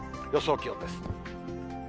予想気温です。